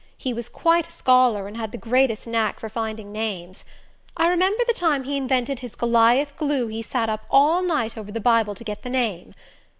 He was quite a scholar, and had the greatest knack for finding names. I remember the time he invented his Goliath Glue he sat up all night over the Bible to get the name...